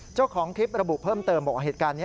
เจ้าของคลิประบุเพิ่มเติมบอกว่าเหตุการณ์นี้